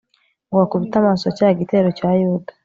ngo bakubite amaso cya gitero cya yuda